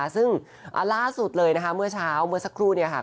ซึ่งล่าสุดเลยนะคะเมื่อเช้าเมื่อสักครู่เนี่ยค่ะ